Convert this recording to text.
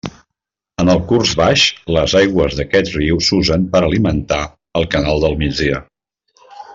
En el curs baix, les aigües d'aquest riu s'usen per alimentar el Canal del Migdia.